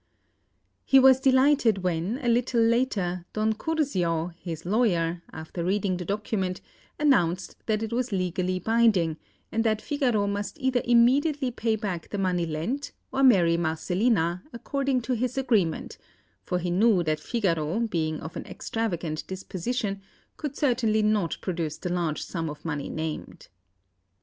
He was delighted when, a little later, Don Curzio, his lawyer, after reading the document, announced that it was legally binding, and that Figaro must either immediately pay back the money lent, or marry Marcellina, according to his agreement; for he knew that Figaro, being of an extravagant disposition, could certainly not produce the large sum of money named.